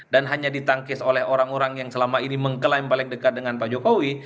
dan hanya ditangkis oleh orang orang yang selama ini mengklaim balik dekat dengan pak jokowi